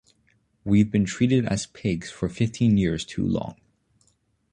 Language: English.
We’ve been treated as pigs for fifteen years too long.